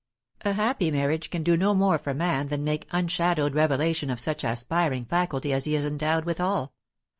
A happy marriage can do no more for man than make unshadowed revelation of such aspiring faculty as he is endowed withal.